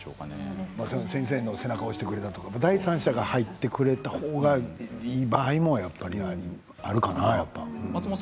先生が背中を押してくれた第三者が入ってくれたほうがいい場合もあるかなと。